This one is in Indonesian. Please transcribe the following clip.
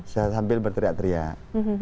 saya sambil berteriak teriak